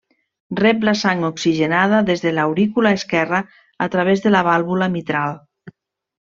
Rep la sang oxigenada des de l'aurícula esquerra a través de la vàlvula mitral.